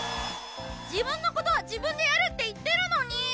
自分のことは自分でやるって言ってるのに！